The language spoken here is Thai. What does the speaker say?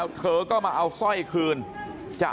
สวัสดีครับคุณผู้ชาย